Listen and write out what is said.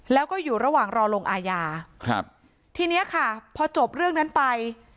แล้วก็อยู่ระหว่างรอลงอาญาครับทีเนี้ยค่ะพอจบเรื่องนั้นไป